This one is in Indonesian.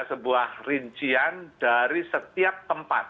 sebuah rincian dari setiap tempat